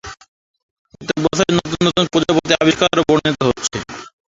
প্রত্যেক বছরই নতুন নতুন প্রজাতি আবিষ্কার ও বর্ণিত হচ্ছে।